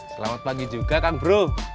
selamat pagi juga kan bro